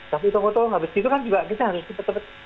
tapi foto foto nggak begitu kan juga kita harus cepet cepet